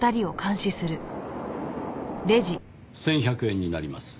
１１００円になります。